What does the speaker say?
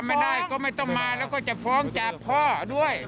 ไม่ได้ก็ไม่ต้องมาแล้วก็จะฟ้องจากพ่อด้วย